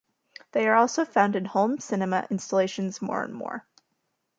They are also found in home cinema installations more and more.